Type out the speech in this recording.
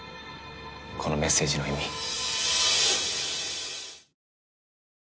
このメッセージの意味。